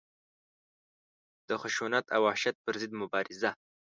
د خشونت او وحشت پر ضد مبارزه.